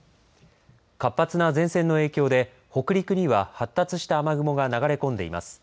活発な前線の影響で北陸には発達した雨雲が流れ込んでいます。